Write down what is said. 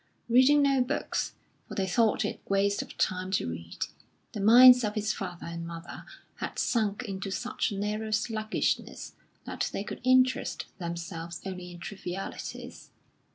Reading no books, for they thought it waste of time to read, the minds of his father and mother had sunk into such a narrow sluggishness that they could interest themselves only in trivialities.